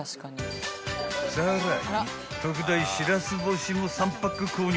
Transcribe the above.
［さらに特大しらす干しも３パック購入］